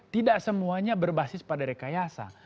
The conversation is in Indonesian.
tidak semuanya berbasis pada rekayasa